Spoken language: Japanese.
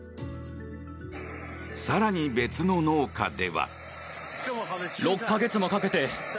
更に、別の農家では。